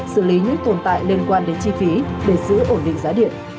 xử lý những tồn tại liên quan đến chi phí để giữ ổn định giá điện